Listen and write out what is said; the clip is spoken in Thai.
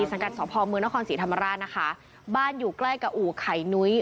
สังกัดสพเมืองนครศรีธรรมราชนะคะบ้านอยู่ใกล้กับอู่ไข่นุ้ย